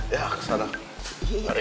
ya ke sana mari